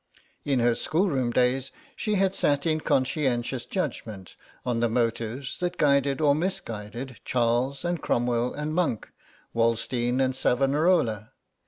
In her schoolroom days she had sat in conscientious judgment on the motives that guided or misguided Charles and Cromwell and Monck, Wallenstein and Savonarola.